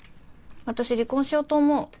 私離婚しようと思う。